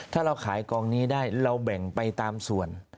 ถ้าเราขายกองนี้ได้เราแบ่งไปตามส่วน